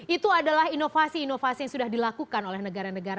itu adalah inovasi inovasi yang sudah dilakukan oleh negara negara